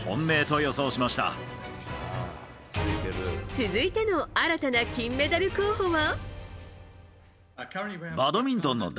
続いての新たな金メダル候補は。